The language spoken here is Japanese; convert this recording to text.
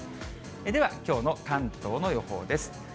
ではきょうの関東の予報です。